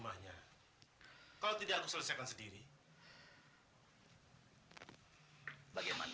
aku tidak berusaha untuk melakukannya